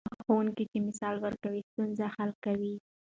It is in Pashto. هغه ښوونکی چې مثال ورکوي، ستونزه حل کوي.